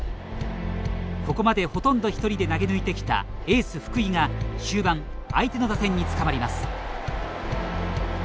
ここまで、ほとんど１人で投げ抜いてきたエース福井が終盤、相手の打線に捕まります。